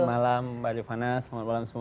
selamat malam mbak rifana selamat malam semua